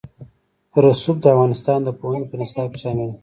رسوب د افغانستان د پوهنې په نصاب کې شامل دي.